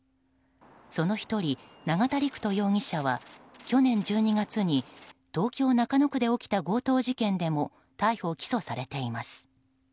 その１人、永田陸人容疑者は去年１２月に東京・中野区で起きた強盗事件でも逮捕・起訴されています。